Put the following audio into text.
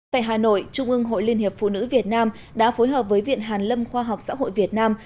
tại hà nội trung ương hội liên hiệp phụ nữ việt nam đã phối hợp với viện hàn lâm khoa học xã hội việt nam